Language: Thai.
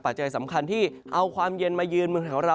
จัยสำคัญที่เอาความเย็นมายืนเมืองแถวเรา